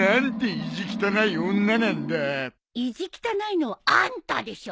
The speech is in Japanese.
意地汚いのはあんたでしょ？